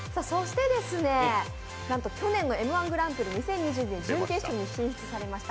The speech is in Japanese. なんと去年の「Ｍ−１グランプリ２０２２」で準決勝に進出されました